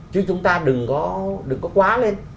chứ chúng ta đừng có quá lên